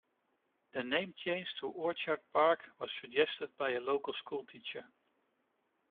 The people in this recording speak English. The name change to "Orchard Park" was suggested by a local schoolteacher.